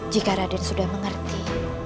jika raden sudah mengerti